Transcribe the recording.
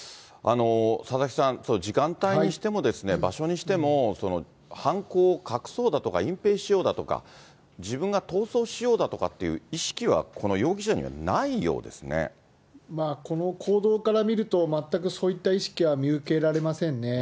佐々木さん、時間帯にしてもですね、場所にしても、犯行を隠そうだとか、隠蔽しようだとか、自分が逃走しようだとかっていう意識はこの容疑者にはないようでこの行動から見ると、全くそういった意識は見受けられませんね。